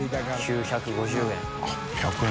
９５０円。